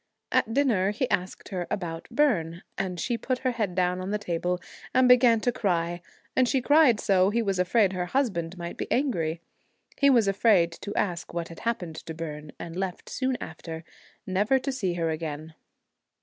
At dinner he asked her about Byrne, and she put her head down on the table and began to cry, and she cried so he was afraid her 59 husband might be angry. He was afraid to ask what had happened to Byrne, and left soon after, never to see her again.